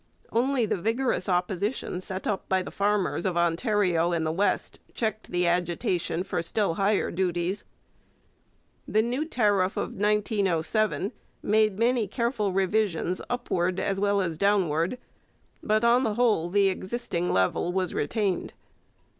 Only the vigorous opposition set up by the farmers of Ontario and the West checked the agitation for still higher duties. The new tariff of 1907 made many careful revisions upward as well as downward, but on the whole the existing level was retained.